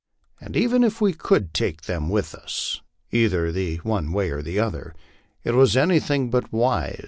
And even if we could take them with us, either the one wav or the other, it was anything but wise LIFE ON THE PLAINS.